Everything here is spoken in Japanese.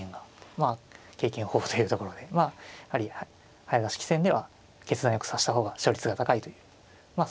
まあ経験豊富というところでやはり早指し棋戦では決断よく指した方が勝率が高いというまあ